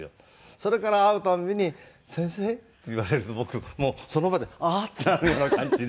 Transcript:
それから会うたんびに「先生」って言われると僕その場でああーってなるような感じで。